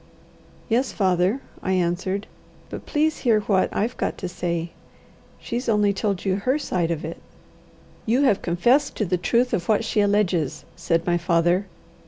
"Yes, father," I answered. "But please hear what I've got to say. She's only told you her side of it." "You have confessed to the truth of what she alleges," said my father.